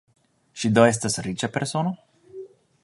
Ŝi do estas riĉa persono?